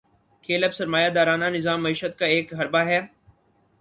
کھیل اب سرمایہ دارانہ نظام معیشت کا ایک حربہ ہے۔